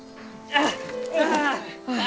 ああ！